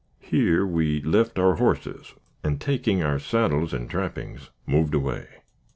Here we left our horses, and, taking our saddles and trappings, moved away.